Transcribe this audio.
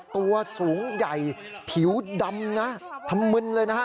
ตัวสูงใหญ่ผิวดำนะทำมึนเลยนะฮะ